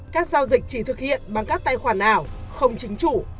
các giao dịch chỉ thực hiện bằng các tài khoản ảo không chính chủ